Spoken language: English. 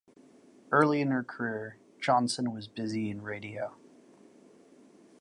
Early in her career, Johnson was busy in radio.